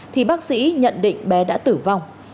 thì bác sĩ nhận định bé vân bị thương nặng